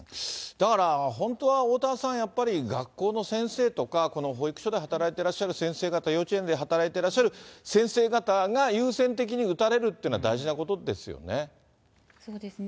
だから本当はおおたわさん、やっぱり学校の先生とか保育所で働いてらっしゃる先生方、幼稚園で働いてらっしゃる先生方が優先的に打たれるというのは大そうですね。